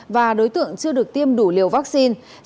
và đối tượng chưa được tiêm đủ liều vaccine